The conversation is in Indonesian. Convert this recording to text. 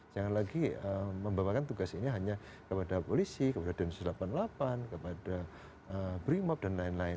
jangan lagi membawakan tugas ini hanya kepada polisi kepada densus delapan puluh delapan kepada brimob dan lain lain